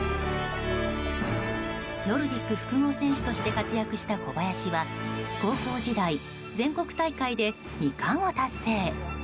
ノルディック複合選手として活躍した小林は高校時代全国大会で２冠を達成。